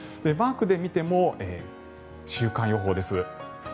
マークで見ても週間予報です。